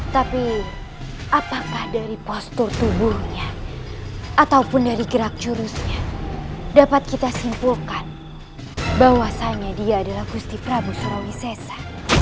tapi apakah dari postur tubuhnya ataupun dari gerak jurusnya dapat kita simpulkan bahwasannya dia adalah gusti pramu surawisesa